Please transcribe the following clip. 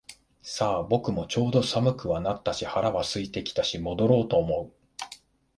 さあ、僕もちょうど寒くはなったし腹は空いてきたし戻ろうと思う